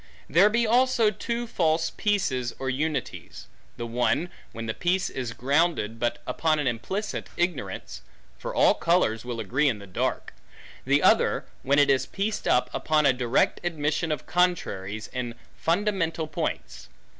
There be also two false peaces, or unities: the one, when the peace is grounded, but upon an implicit ignorance; for all colors will agree in the dark: the other, when it is pieced up, upon a direct admission of contraries, in fundamental points.